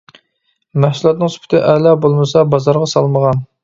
مەھسۇلاتنىڭ سۈپىتى ئەلا بولمىسا بازارغا سالمىغان.